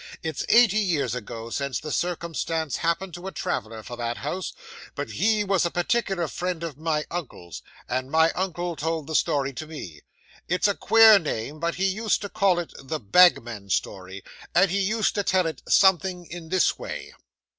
It's eighty years ago, since the circumstance happened to a traveller for that house, but he was a particular friend of my uncle's; and my uncle told the story to me. It's a queer name; but he used to call it THE BAGMAN'S STORY and he used to tell it, something in this way.